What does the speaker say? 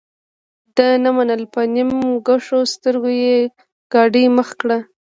ده نه منله په نیم کښو سترګو یې ګاډۍ مخ کړه.